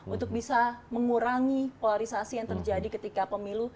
untuk bisa mengurangi polarisasi yang terjadi ketika pemilu